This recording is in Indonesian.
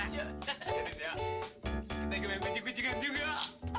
iya kita main kucing kucingan juga